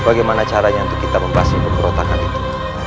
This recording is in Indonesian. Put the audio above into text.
bagaimana caranya untuk kita membahas pemberontakan itu